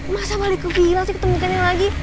masa balik ke bilang sih ketemukannya lagi